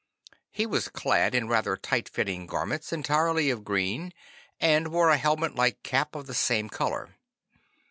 He was clad in rather tight fitting garments entirely of green, and wore a helmet like cap of the same color.